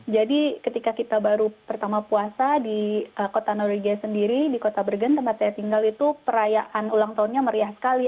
jadi ketika kita baru pertama puasa di kota norwegia sendiri di kota bergen tempat saya tinggal itu perayaan ulang tahunnya meriah sekali